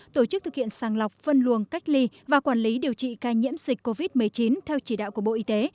tổ chức thực hiện sàng lọc phân luồng cách ly và quản lý điều trị ca nhiễm dịch covid một mươi chín theo chỉ đạo của bộ y tế